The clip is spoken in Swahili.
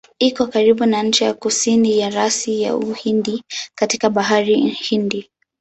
Iko karibu na ncha ya kusini ya rasi ya Uhindi katika Bahari Hindi.